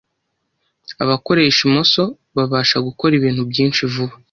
abakoresha imoso babasha gukora ibintu byinshi vuba,